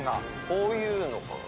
こういうのかな？